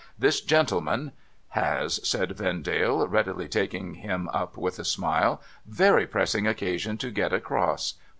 This gentleman ''— Has,' said Vendale, readily taking him up with a smile, ' very pressing occasion to get across.